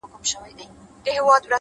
گراني شاعري ستا په خوږ ږغ كي’